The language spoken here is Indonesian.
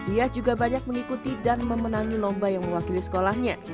ia juga banyak mengikuti dan memenangi lomba yang mewakili sekolahnya